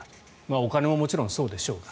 お金ももちろんそうでしょうが。